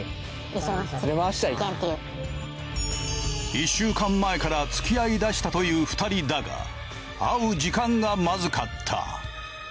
１週間前から付き合いだしたという２人だが会う時間がまずかった。